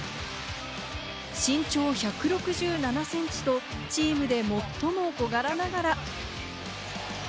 身長１６７センチとチームで最も小柄ながら。